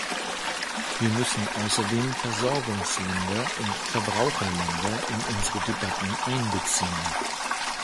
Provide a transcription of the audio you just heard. Wir müssen außerdem Versorgungsländer und Verbraucherländer in unsere Debatten einbeziehen.